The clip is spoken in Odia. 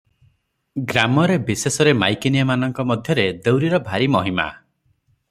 ଗ୍ରାମରେ ବିଶେଷରେ ମାଇକିନିଆମାନଙ୍କ ମଧ୍ୟରେ ଦେଉରୀର ଭାରି ମହିମା ।